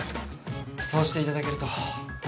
そうしていただけると。